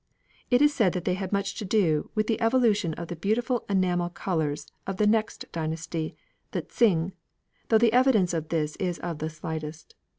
It is said that they had much to do with the evolution of the beautiful enamel colours of the next dynasty, the "Tsing," though the evidence of this is of the slightest.